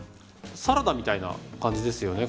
サラダみたいな感じですよね